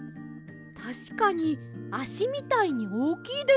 たしかにあしみたいにおおきいです。